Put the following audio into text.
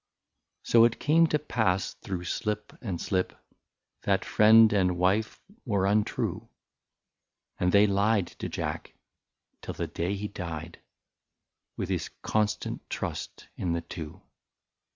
So it came to pass through slip and slip That friend and wife were untrue ; And they lied to Jack, till the day he died. With his constant trust in the two.